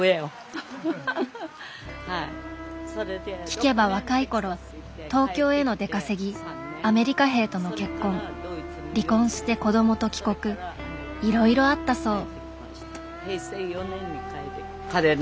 聞けば若い頃東京への出稼ぎアメリカ兵との結婚離婚して子どもと帰国いろいろあったそう。